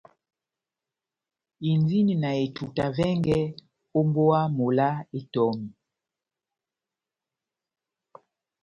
Indini na etuta vɛngɛ ó mbówa mola Etomi.